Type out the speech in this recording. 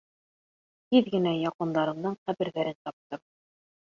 Тиҙ генә яҡындарымдың ҡәберҙәрен таптым.